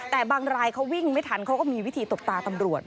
แต่บางรายเขาวิ่งไม่ทันเขาก็มีวิธีตบตาตำรวจ